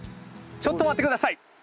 ちょっと待って下さい！